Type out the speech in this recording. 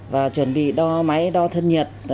và chuẩn bị đo máy đo thân nhiệt